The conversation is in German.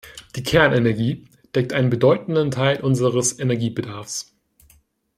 Die Kernenergie deckt einen bedeutenden Teil unseres Energiebedarfs.